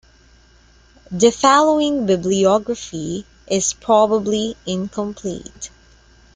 The following bibliography is probably incomplete.